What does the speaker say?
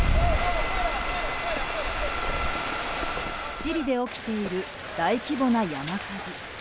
チリで起きている大規模な山火事。